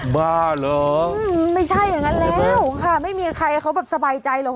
บ้าเหรอไม่ใช่อย่างนั้นแล้วค่ะไม่มีใครเขาแบบสบายใจหรอก